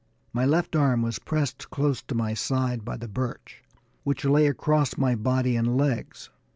My left arm was pressed close to my side by the birch, which lay across my body and legs.